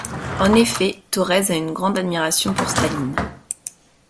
En effet, Thorez a une grande admiration pour Staline.